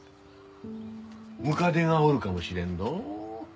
ムカデがおるかもしれんぞ。